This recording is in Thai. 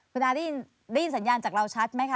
คุณอาได้ยินสัญญาณจากเราชัดไหมคะ